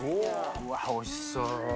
うわっおいしそう。